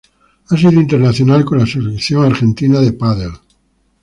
Ha sido internacional con la Selección argentina de pádel.